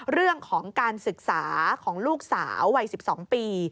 เรื่องของการศึกษาของลูกสาววัย๑๒ปี